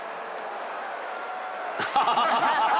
「ハハハハ！